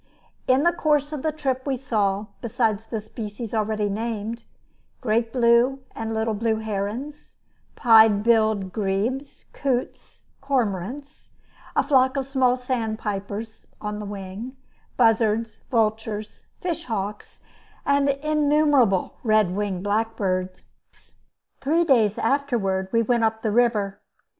In the course of the trip we saw, besides the species already named, great blue and little blue herons, pied billed grebes, coots, cormorants, a flock of small sandpipers (on the wing), buzzards, vultures, fish hawks, and innumerable red winged blackbirds. Three days afterward we went up the river.